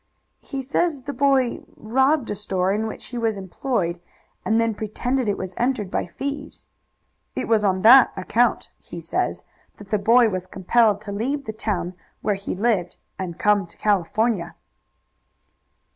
"He says the boy robbed a store in which he was employed, and then pretended it was entered by thieves. It was on that account, he says, that the boy was compelled to leave the town where he lived and come to California."